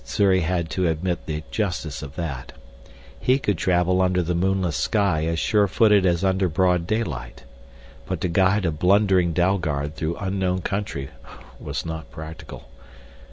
Sssuri had to admit the justice of that. He could travel under the moonless sky as sure footed as under broad sunlight. But to guide a blundering Dalgard through unknown country was not practical.